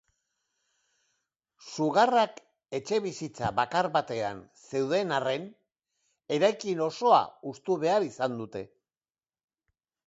Sugarrak etxebizitza bakar batean zeuden arren, eraikin osoa hustu behar izan dute.